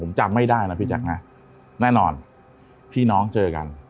ผมจำไม่ได้นะพี่แจ๊คนะแน่นอนพี่น้องเจอกัน